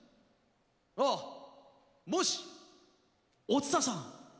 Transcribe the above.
ああ、もし、お蔦さん。